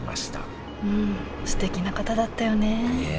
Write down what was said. すてきな方だったよねねえ。